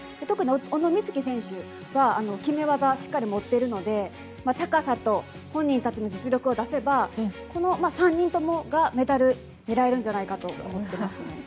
特に小野光希選手は決め技をしっかり持っているので高さと、本人たちの実力を出せば３人ともがメダル狙えるんじゃないかと思っています。